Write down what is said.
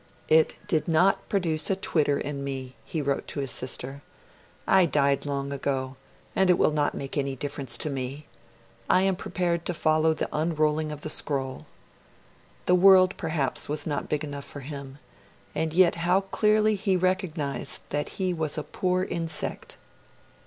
'It did not produce a twitter in me,' he wrote to his sister; 'I died long ago, and it will not make any difference to me; I am prepared to follow the unrolling of the scroll.' The world, perhaps, was not big enough for him; and yet how clearly he recognised that he was 'a poor insect!'